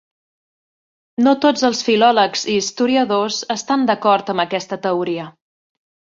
No tots els filòlegs i historiadors estan d'acord amb aquesta teoria.